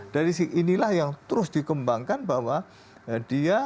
dan inilah yang terus dikembangkan bahwa dia